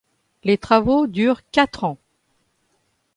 Les travaux durent quatre ans.